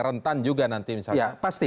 rentan juga nanti pasti